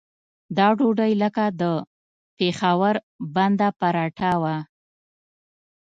دا ډوډۍ لکه د پېښور بنده پراټه وه.